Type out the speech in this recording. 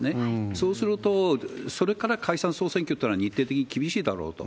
そうすると、それから解散・総選挙っていうのは、日程的に厳しいだろうと。